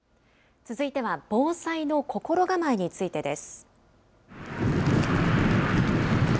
続いては防災の心構えについてです。